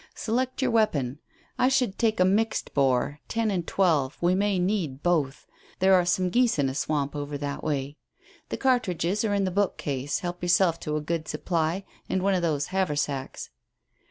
"Select your weapon. I should take a mixed bore ten and twelve. We may need both. There are some geese in a swamp over that way. The cartridges are in the bookcase; help yourself to a good supply, and one of those haversacks."